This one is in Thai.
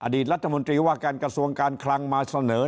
รัฐมนตรีว่าการกระทรวงการคลังมาเสนอ